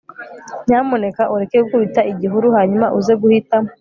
nyamuneka ureke gukubita igihuru hanyuma uze guhita